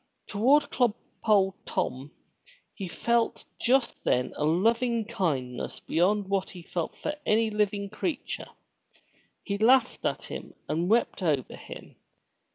Toward clodpole Tom he felt just then a loving kindness beyond what he felt for any living creature. He laughed at him and wept over him.